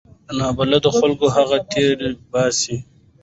نابلده خلک هغه تیر باسي.